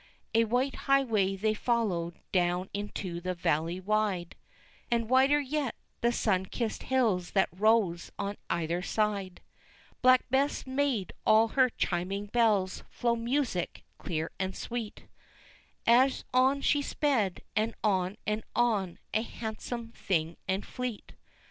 A white highway they followed down into the valley wide, And whiter yet the sun kissed hills that rose on either side; Black Bess made all her chiming bells flow music clear and sweet As on she sped, and on, and on a handsome thing and fleet.